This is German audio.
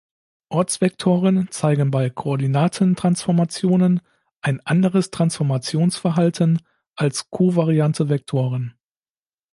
Ortsvektoren zeigen bei Koordinatentransformationen ein "anderes" Transformationsverhalten als kovariante Vektoren.